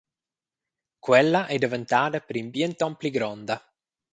Quella ei daventada per in bien ton pli gronda.